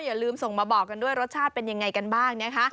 อย่าลืมส่งมาบอกกันด้วยรสชาติเป็นยังไงกันบ้างนะคะ